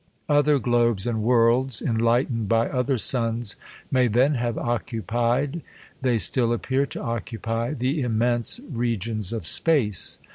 Other globes and worlds, enlightened by other suns, may then have occupied, they still appear to occupy, the immense regions of.space.